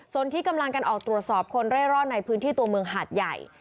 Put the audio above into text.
ส่วนที่กำลังกันออกตรวจสอบคนเร่ร่อนในพื้นที่ตัวเมืองหาดใหญ่